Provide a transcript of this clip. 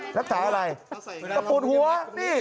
จะปวดหัวใส่อย่างนี้